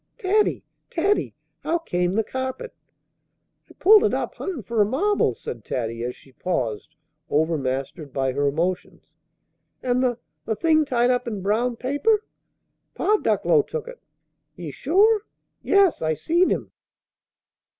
"Taddy! Taddy! how came the carpet " "I pulled it up, huntin' for a marble," said Taddy, as she paused, overmastered by her emotions. "And the the thing tied up in a brown wrapper?" "Pa Ducklow took it." "Ye sure?" "Yes; I seen him."